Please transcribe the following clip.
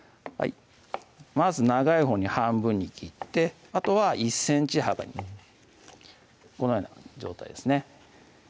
まず長いほうに半分に切ってあとは１ｃｍ幅にこのような状態ですね